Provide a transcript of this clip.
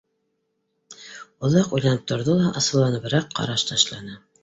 Оҙаҡ уйланып торҙо ла асыуланыбыраҡ ҡараш ташланы.